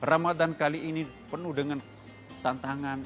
ramadan kali ini penuh dengan tantangan